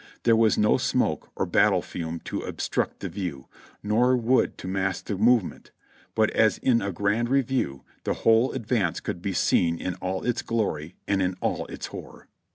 There was no smoke or battle fume to obstruct the view, nor wood to mask the movement : but as in a grand review, the whole advance could be seen in all its glor}' and in all its horror.